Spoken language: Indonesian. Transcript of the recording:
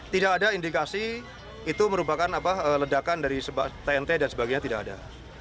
tidak ada indikasi itu merupakan ledakan dari tnt dan sebagainya tidak ada